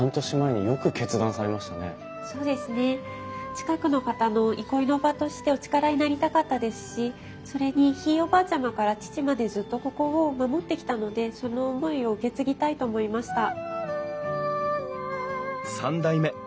そうですね近くの方の憩いの場としてお力になりたかったですしそれにひいおばあちゃまから父までずっとここを守ってきたのでその思いを受け継ぎたいと思いました。